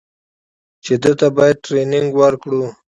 چې ده ته بايد ټرېننگ ورکړو.